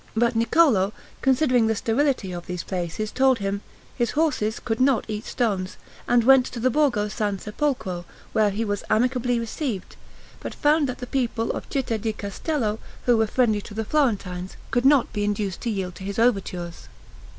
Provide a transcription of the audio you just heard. But Niccolo, considering the sterility of these places, told him, "his horses could not eat stones," and went to the Borgo San Sepolcro, where he was amicably received, but found that the people of Citta di Castello, who were friendly to the Florentines, could not be induced to yield to his overtures.